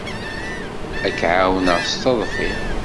Ad k-ɛawneɣ s teḍfi.